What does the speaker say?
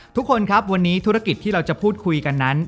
ทุกคนครับวันนี้ธุรกิจที่เราจะพูดคุยกันนั้น